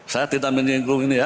saya tidak menyinggung ini ya